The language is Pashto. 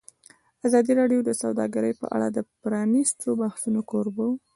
ازادي راډیو د سوداګري په اړه د پرانیستو بحثونو کوربه وه.